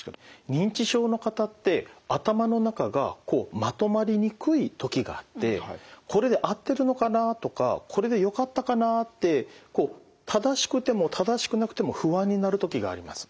認知症の方って頭の中がこうまとまりにくい時があってこれで合ってるのかなとかこれでよかったかなって正しくても正しくなくても不安になる時があります。